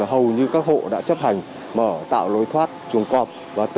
hầu như các hộ đã chấp hành mở tạo lối thoát chuồng cọp